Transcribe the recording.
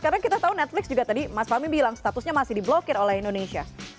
karena kita tahu netflix juga tadi mas fahmi bilang statusnya masih diblokir oleh indonesia